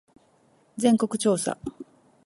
全国調査